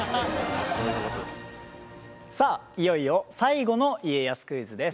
いよいよ最後の家康クイズです。